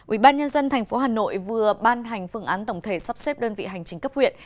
ubnd tp hà nội vừa ban hành phương án tổng thể sắp xếp đơn vị hành chính cấp huyện